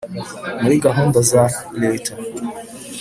muri gahunda za reta